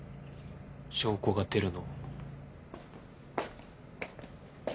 証拠が出るのを。